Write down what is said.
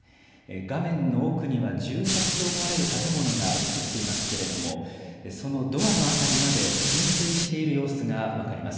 画面の奥には住宅と思われる建物が写っていますけれども、そのドアの辺りまで浸水している様子が分かります。